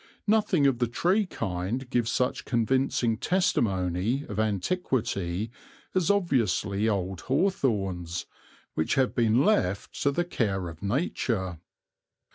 Nothing of the tree kind gives such convincing testimony of antiquity as obviously old hawthorns, which have been left to the care of nature.